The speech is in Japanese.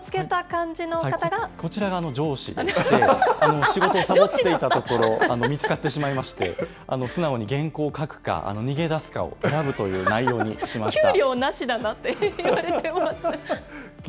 こちらが上司でして、仕事をさぼっていたところを見つかってしまいまして、素直に原稿を書くか、逃げ出すかを選ぶという内容にしました。